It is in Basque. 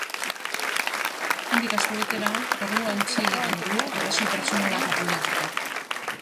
Handik astebetera, kargua utzi egiten du arrazoi pertsonalak argudiatuta.